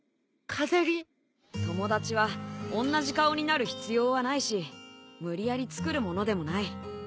友達はおんなじ顔になる必要はないし無理やりつくるものでもない。